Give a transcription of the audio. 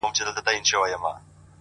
زه لاس په سلام سترگي راواړوه!